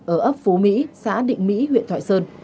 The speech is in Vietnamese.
ở ấp phú mỹ xã định mỹ huyện thoại sơn